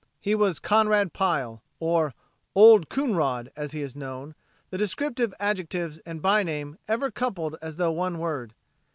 He was Conrad Pile or "Old Coonrod," as he is known, the descriptive adjectives and byname ever coupled as though one word.